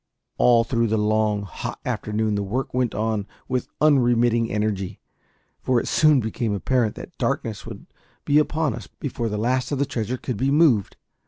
All through the long, hot afternoon the work went on with unremitting energy, for it soon became apparent that darkness would be upon us before the last of the treasure could be moved.